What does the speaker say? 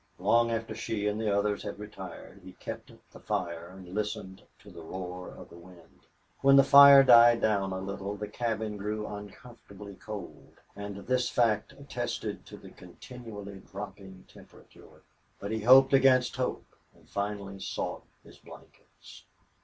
Long after she and the others had retired he kept up the fire and listened to the roar of the wind. When the fire died down a little the cabin grew uncomfortably cold, and this fact attested to a continually dropping temperature. But he hoped against hope and finally sought his blankets.